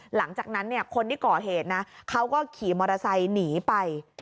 หลังจากนั้นคนที่ก่อเหตุนะเขาก็ขี่มอเตอร์ไซค์หนีไป